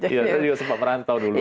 ya itu dia sempat merantau dulu